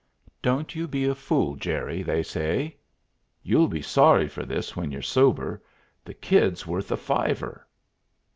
"Don't you be a fool, Jerry," they say. "You'll be sorry for this when you're sober. The Kid's worth a fiver."